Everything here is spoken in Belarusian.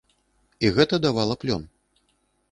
І гэта давала плён.